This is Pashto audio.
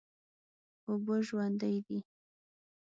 اوبه ژوند دي.